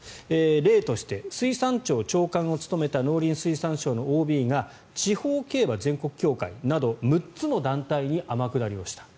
例として、水産庁長官を務めた農林水産省のＯＢが地方競馬全国協会など６つの団体に天下りをした。